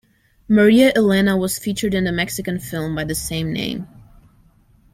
Maria Elena was featured in the Mexican film by the same name.